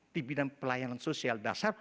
di bidang pelayanan sosial dasar